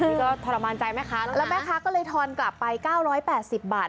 นี่ก็ทรมานใจแม่ค้าแล้วแม่ค้าก็เลยทอนกลับไป๙๘๐บาท